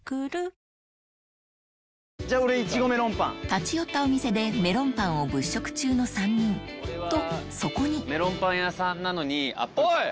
立ち寄ったお店でメロンパンを物色中の３人とそこにメロンパン屋さんなのにアップルパイ。